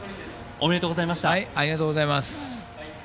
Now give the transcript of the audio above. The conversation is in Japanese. ありがとうございます。